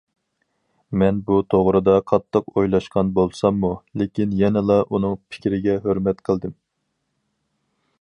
مەن بۇ توغرىدا قاتتىق ئويلاشقان بولساممۇ، لېكىن يەنىلا ئۇنىڭ پىكرىگە ھۆرمەت قىلدىم.